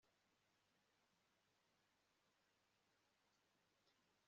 ndimo kubika amafaranga kugirango ngure mudasobwa nshya